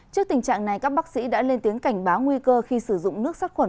trước tình trạng này các bác sĩ đã lên tiếng cảnh báo nguy cơ khi sử dụng nước sát khuẩn